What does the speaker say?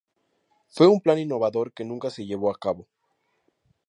Fue un plan innovador que nunca se llevó a cabo.